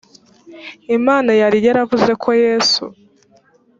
imana yari yaravuze ko yesu